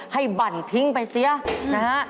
บั่นทิ้งไปเสียนะฮะ